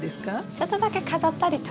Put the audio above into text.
ちょっとだけ飾ったりとか。